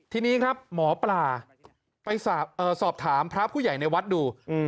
ทีนี้ครับหมอปลาไปสอบถามพระผู้ใหญ่ในวัดดู